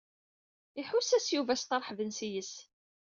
Iḥuss-as Yuba setṛeḥben yes-s.